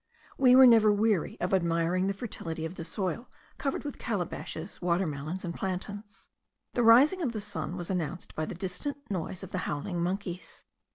We were never weary of admiring the fertility of the soil, covered with calabashes, water melons, and plantains. The rising of the sun was announced by the distant noise of the howling monkeys.